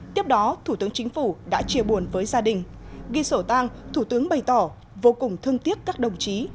tiếp đó thủ tướng chính phủ đã chia buồn với gia đình ghi sổ tang thủ tướng bày tỏ vô cùng thương tiếc các đồng chí